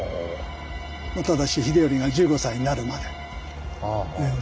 ただし「秀頼が１５歳になるまで」。